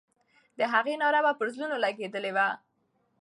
د هغې ناره به پر زړونو لګېدلې وه.